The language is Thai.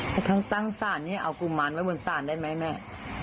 แต่ถ้าตั้งสารเอากุมมันไว้บนสารได้ไหมแม่